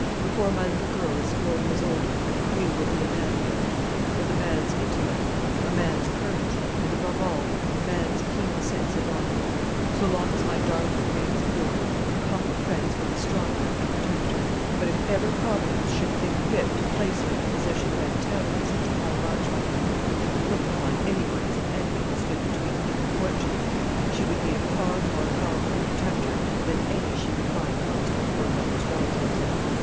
Before my little girl is four years older, you will be a man, Arundel with a man's intellect, a man's courage, and, above all, a man's keen sense of honour. So long as my darling remains poor, her humble friends will be strong enough to protect her; but if ever Providence should think fit to place her in a position of antagonism to Paul Marchmont, for he would look upon any one as an enemy who stood between him and fortune, she would need a far more powerful protector than any she could find amongst her poor mother's relatives.